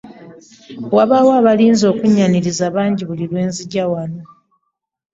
Wabaawo abalinze okunnyaniriza bangi buli lwe nzija wano.